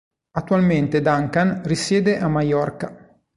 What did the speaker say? Attualmente Duncan risiede a Maiorca.